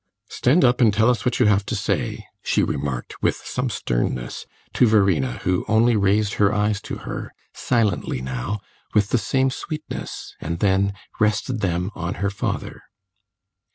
"Stand up and tell us what you have to say," she remarked, with some sternness, to Verena, who only raised her eyes to her, silently now, with the same sweetness, and then rested them on her father.